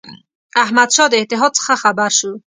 احمدشاه د اتحاد څخه خبر شو.